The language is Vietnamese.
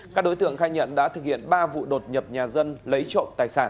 các đối tượng khai nhận đã thực hiện ba vụ đột nhập nhà dân lấy trộm tài sản